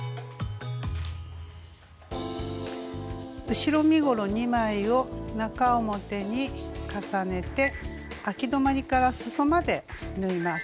後ろ身ごろ２枚を中表に重ねてあき止まりからすそまで縫います。